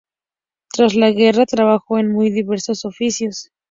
Tras la guerra trabajó en muy diversos oficios.